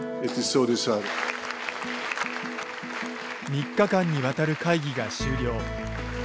３日間にわたる会議が終了。